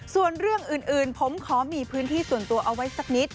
ส่วนเรื่องอื่นผมขอมีพื้นที่ส่วนตัวเอาไว้สักนิด